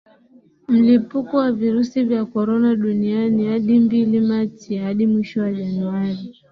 Mlipuko wa Virusi vya Corona duniani hadi mbili Machi Hadi mwisho wa Januari